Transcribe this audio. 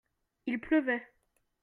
il pleuvait.